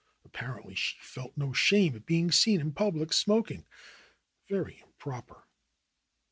Apparently she felt no shame at being seen in public smoking. Very improper